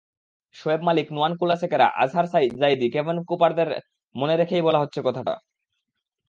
Shoaib Malik, Nuwan Kulasekara, Azhar Zaidi, Kevon কুপারদের মনে রেখেই বলা হচ্ছে কথাটা।